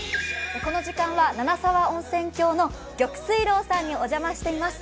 この時間は七沢温泉郷の玉翠楼さんにお邪魔しています。